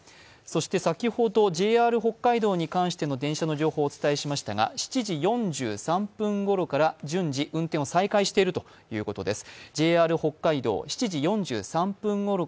そして先ほどＪＲ北海道に関しての電車の情報お伝えしましたが７時４３分頃から順次運転を再開しているということです。